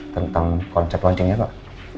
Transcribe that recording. tentang konsep launchingnya pak